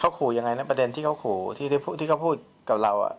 เขาขู่ยังไงนะประเด็นที่เขาขู่ที่เขาพูดกับเรา